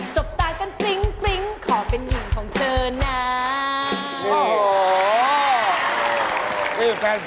บตากันปริ้งขอเป็นหนึ่งของเธอนะ